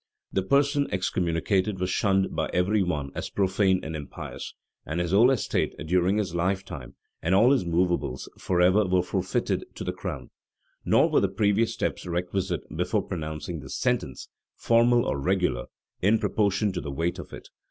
The person excommunicated was shunned by every one as profane and impious; and his whole estate, during his lifetime, and all his movables, forever, were forfeited to the crown. Nor were the previous steps requisite before pronouncing this sentence, formal or regular, in proportion to the weight of it.